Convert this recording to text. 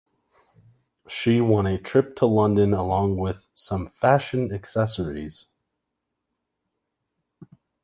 She won a trip to London along with some fashion accessories.